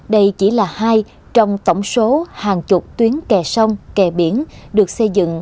đây chỉ là hai trong tổng số hàng chục tuyến kẻ sông kẻ biển được xây dựng